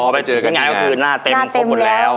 พองานก็คือหน้าเต็มครบหมดแล้ว